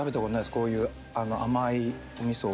こういう甘いお味噌は。